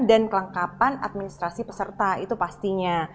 dan kelengkapan administrasi peserta itu pastinya